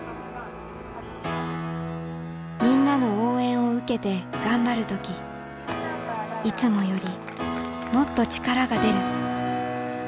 みんなの応援を受けて頑張る時いつもよりもっと力が出る。